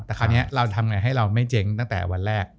แต่คราวนี้เราทำไงให้เราไม่เจ๊งตั้งแต่วันแรก